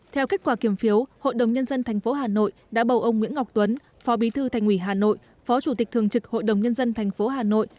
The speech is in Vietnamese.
theo kết quả kiểm phiếu hội đồng nhân dân thành phố hà nội đã bầu ông nguyễn ngọc tuấn phó bí thư thành ủy hà nội phó chủ tịch thường trực hội đồng nhân dân thành phố hà nội